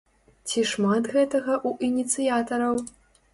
Ці шмат гэтага ў ініцыятараў?